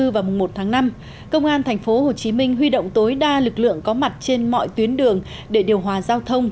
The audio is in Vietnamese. vào mùng một tháng năm công an tp hcm huy động tối đa lực lượng có mặt trên mọi tuyến đường để điều hòa giao thông